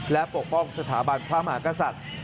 และปกป้องสถาบันพระมหากษัตริย์